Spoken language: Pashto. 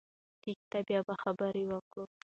ټيک ده، بيا به خبرې وکړو